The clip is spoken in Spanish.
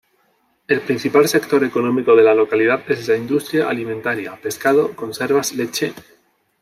El principal sector económico de la localidad es la industria alimentaria: pescado, conservas, leche.